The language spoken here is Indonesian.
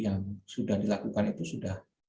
yang sudah dilakukan itu sudah